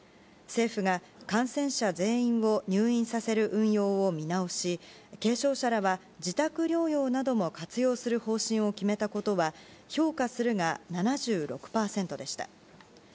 政府が感染者全員を入院させる運用を見直し軽症者らは自宅療養なども活用する方針を決めたことは評価するが７６％でした。